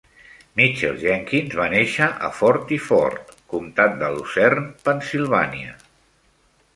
Mitchell Jenkins va néixer a Forty Fort, comtat de Lucerne, Pennsylvania.